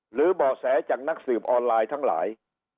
เบาะแสจากนักสืบออนไลน์ทั้งหลาย